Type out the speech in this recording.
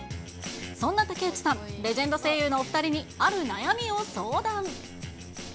そんな武内さん、レジェンド声優のお２人にある悩みを相談。